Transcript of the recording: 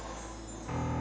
tapi lo jangan kesulitan